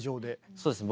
そうですね